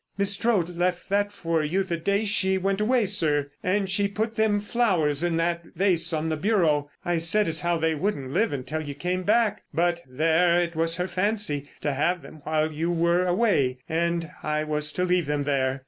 "Miss Strode left that for you the day she went away, sir. And she put them flowers in that vase on the bureau. I said as how they wouldn't live until you came back. But, there, it was her fancy to have them while you were away, and I was to leave them there."